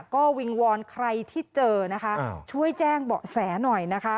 ก็วิงวอนใครที่เจอนะคะช่วยแจ้งเบาะแสหน่อยนะคะ